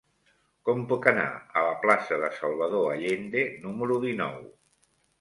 Com puc anar a la plaça de Salvador Allende número dinou?